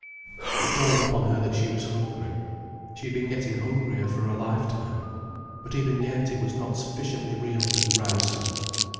It dawned upon her that she was hungry. She had been getting hungrier for a lifetime. But even yet it was not sufficiently real to rouse her.